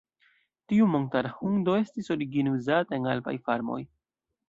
Tiu montara hundo estis origine uzata en alpaj farmoj.